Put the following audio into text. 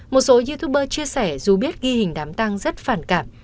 một số youtuber chia sẻ dù biết ghi hình đám tăng rất phản cảm